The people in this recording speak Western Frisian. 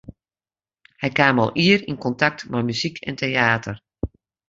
Hy kaam al ier yn kontakt mei muzyk en teäter.